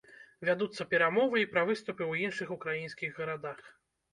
Вядуцца перамовы і пра выступы ў іншых украінскіх гарадах.